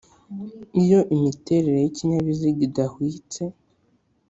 Iyo imiterere y'ikinyabiziga idahwitse